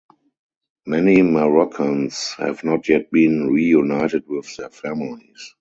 Many Moroccans have not yet been reunited with their families.